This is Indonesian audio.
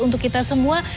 untuk kita semua